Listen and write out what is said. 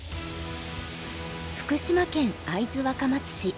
福島県会津若松市。